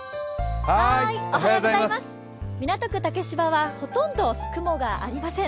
港区竹芝はほとんど雲がありません。